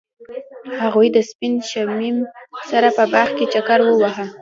هغوی د سپین شمیم سره په باغ کې چکر وواهه.